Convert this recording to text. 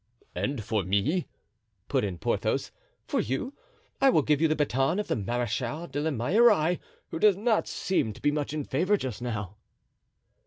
"And for me?" put in Porthos. "For you? I will give you the baton of the Marechal de la Meilleraie, who does not seem to be much in favor just now.")